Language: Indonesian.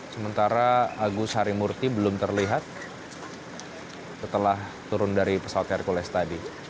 sementara agus harimurti belum terlihat setelah turun dari pesawat hercules tadi